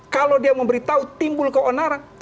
kalau dia memberitahu timbul keonaran